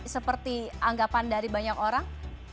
seperti anggapan dari banyak orang